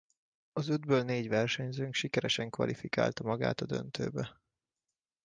Az ötből négy versenyzőnk sikeresen kvalifikálta magát a döntőbe.